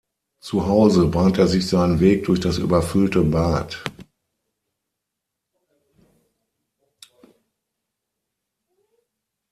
Zu Hause bahnt er sich seinen Weg durch das überfüllte Bad.